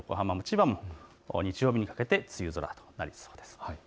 日曜日にかけて梅雨空になりそうです。